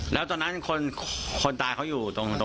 แล้วตอนนั้นคนตายเขาอยู่ตรง